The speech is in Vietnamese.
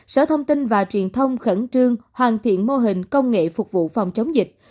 sở thông tin và truyền thông khẩn trương hoàn thiện mô hình công nghệ phục vụ phòng chống dịch